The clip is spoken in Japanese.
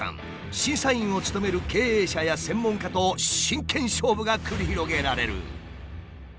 審査員を務める経営者や専門家と真剣勝負が繰り広げられる。